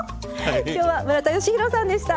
今日は村田吉弘さんでした。